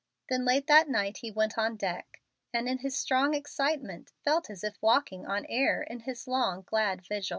Then late that night he went on deck, and in his strong excitement felt as if walking on air in his long, glad vigil.